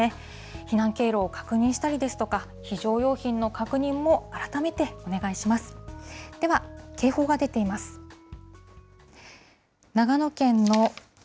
避難経路を確認したりですとか、非常用品の確認も改めてお願いします。